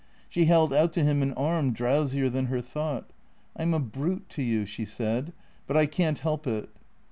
She held out to him an arm drow sier than her thought. " I 'm a brute to you," she said, " but I can't help it."